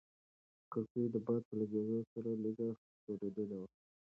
کړکۍ د باد په لګېدو سره لږه ښورېدلې وه.